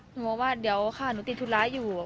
หนูบอกว่าเดี๋ยวค่ะหนูติดธุระอยู่